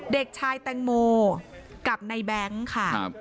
เด็กชายแตงโมกับในแบงค์ค่ะ